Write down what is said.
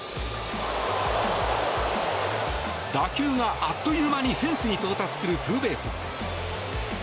打球があっという間にフェンスに到達するツーベース。